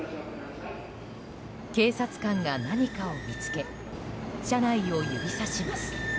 警察官が何かを見つけ車内を指さします。